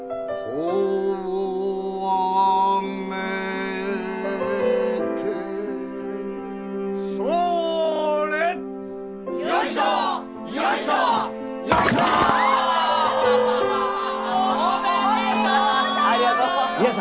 おめでとうございます！